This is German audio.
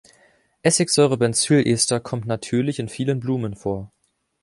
Essigsäurebenzylester kommt natürlich in vielen Blumen vor.